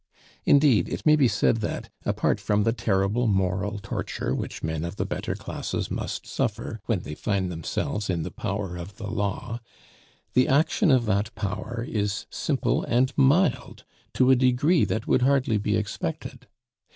Indeed, it may be said that, apart from the terrible moral torture which men of the better classes must suffer when they find themselves in the power of the law, the action of that power is simple and mild to a degree that would hardly be expected.